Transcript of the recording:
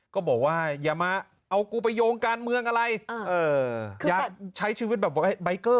ก็บอกว่าอย่ามาเอากูไปโยงการเมืองอะไรอย่าใช้ชีวิตแบบว่าใบเกอร์